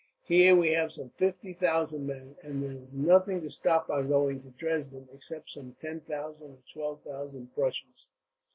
Here we have some fifty thousand men, and there is nothing to stop our going to Dresden, except some ten thousand or twelve thousand Prussians.